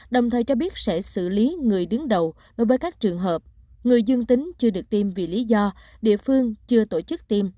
đồng thời cho biết sẽ xử lý người đứng đầu đối với các trường hợp người dương tính chưa được tiêm vì lý do địa phương chưa tổ chức tiêm